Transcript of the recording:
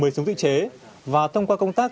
một mươi súng tự chế và thông qua công tác